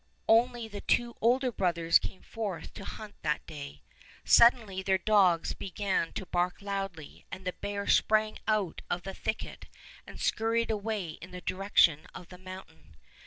Only the two older brothers came forth to hunt that day. Suddenly their dogs began to bark loudly, and the bear sprang out of the thicket and scurried away in the direc tion of the mountain.